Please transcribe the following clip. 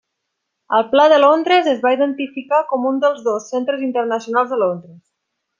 Al Pla de Londres es va identificar com un dels dos centres internacionals de Londres.